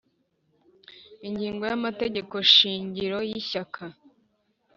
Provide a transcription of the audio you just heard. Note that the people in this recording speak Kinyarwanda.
Ingingo y’ amategeko shingiro y Ishyaka